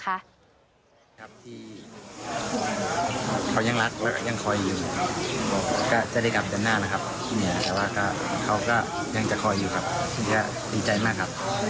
เขายังรักและยังคอยอยู่ก็จะได้กลับจนหน้านะครับเขาก็ยังจะคอยอยู่ครับดีใจมากครับ